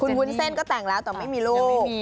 คุณคุ้นเส้นก็แต่งนะแต่ไม่มีลูก